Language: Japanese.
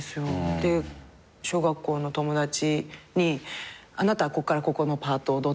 で小学校の友達にあなたはこっからここのパート踊ってこうでって。